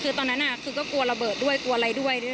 คือตอนนั้นคือก็กลัวระเบิดด้วยกลัวอะไรด้วย